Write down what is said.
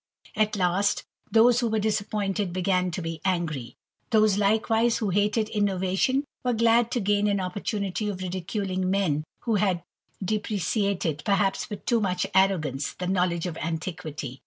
At last, those who were disappointed began to be angry : those likewise who hated innovation were glad to gain an opportunity of ridiculing men who had depreciated, perhaps with too much arrogance, the knowledge of antiquity.